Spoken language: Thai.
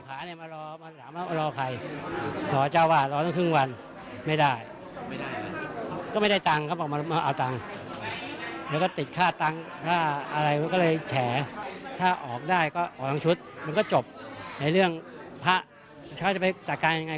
ผมต้องการคือว่าเจ้าวาดพิธีกรรมไม่เหมาะสมกับทุกทีม